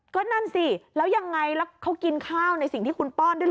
ก็นั่นสิแล้วยังไงแล้วเขากินข้าวในสิ่งที่คุณป้อนด้วยเห